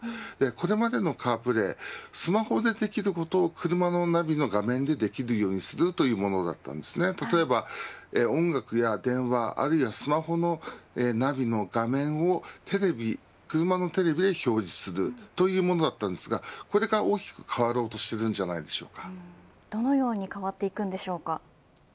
これまでのカープレースマホでできることを車のナビの画面でもできるようにするというものですが例えば音楽や電話あるいはスマホのナビの画面を車のテレビに表示するというものだったのですがこれが大きくどのように変わっていくのでしょうか。